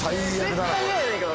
絶対嫌やねんけど